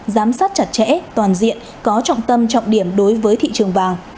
tắt chặt chẽ toàn diện có trọng tâm trọng điểm đối với thị trường vàng